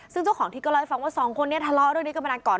ซึ่งเจ้าของคลิปก็เล่าให้ฟังว่าสองคนนี้ทะเลาะเรื่องนี้กันมานานก่อน